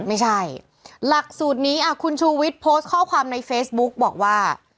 ไม่ใช่หลักสูตรนี้คุณชูวิทย์โพสต์ข้อความในเฟซบุ๊กบอกว่า